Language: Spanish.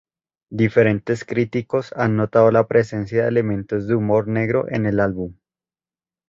Diferentes críticos han notado la presencia de elementos de humor negro en el álbum.